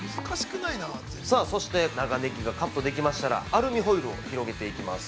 さあ、そして長ネギがカットできましたらアルミホイルを広げていきます。